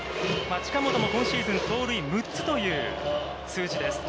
近本も今シーズン、盗塁６つという数字です。